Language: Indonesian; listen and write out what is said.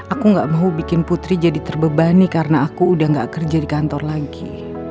aku gak mau bikin putri jadi terbebani karena aku udah gak kerja di kantor lagi